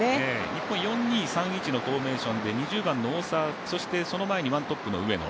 日本、４−２−３−１のフォーメーションで２０番の大澤、その前にワントップの上野。